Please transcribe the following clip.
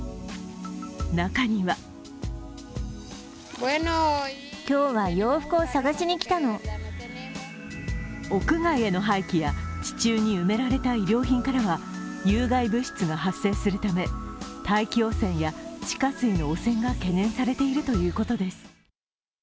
中には屋外への廃棄や地中に埋められた衣料品からは有害物質が発生するため大気汚染や地下水の汚染が懸念されているということです。